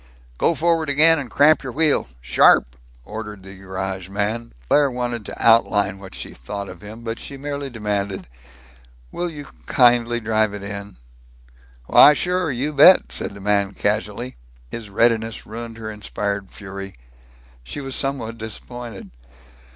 "Go forward again, and cramp your wheel sharp!" ordered the garage man. Claire wanted to outline what she thought of him, but she merely demanded, "Will you kindly drive it in?" "Why, sure. You bet," said the man casually. His readiness ruined her inspired fury. She was somewhat disappointed.